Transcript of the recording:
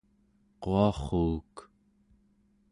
quarruuk